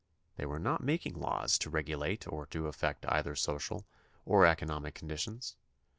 They were not making laws to regulate or to affect either social or economic conditions.